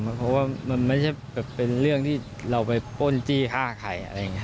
เพราะว่ามันไม่ใช่เป็นเรื่องที่เราไปป้นจี้ฆ่าใครอะไรอย่างนี้